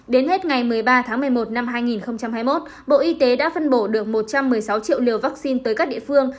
đến hết ngày một mươi ba tháng một mươi một năm hai nghìn hai mươi một bộ y tế đã phân bổ được một trăm một mươi sáu triệu liều vaccine tới các địa phương